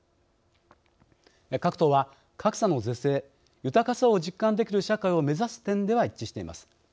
各党は格差の是正豊かさを実感できる社会を目指す点では一致しています。